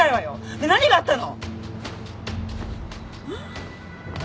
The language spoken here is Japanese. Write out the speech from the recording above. ねえ何があったの！？